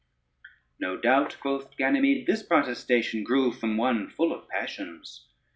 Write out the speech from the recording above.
] "No doubt," quoth Ganymede, "this protestation grew from one full of passions."